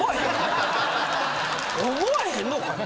思わへんのかいな。